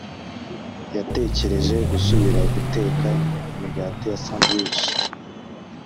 yatekereje gusubira guteka imigati ya sandwiches,